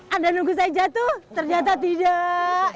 anda nunggu saya jatuh ternyata tidak